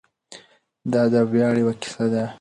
دا د ویاړ یوه کیسه ده.